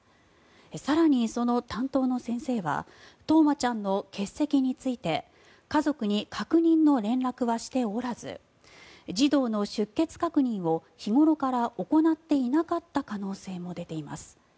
更にその担当の先生は冬生ちゃんの欠席について家族に確認の連絡はしておらず児童の出欠確認を日頃から行っていなかった可能性も出ています。